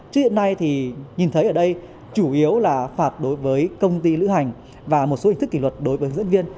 chứ hiện nay thì nhìn thấy ở đây chủ yếu là phạt đối với công ty lữ hành và một số hình thức kỷ luật đối với hướng dẫn viên